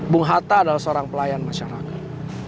bung hatta adalah seorang pelayan masyarakat